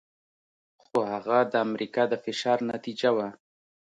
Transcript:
خو هغه د امریکا د فشار نتیجه وه.